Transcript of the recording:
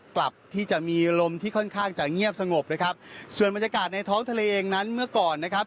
กลับที่จะมีลมที่ค่อนข้างจะเงียบสงบนะครับส่วนบรรยากาศในท้องทะเลเองนั้นเมื่อก่อนนะครับ